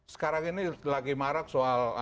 sekarang ini lagi marak soal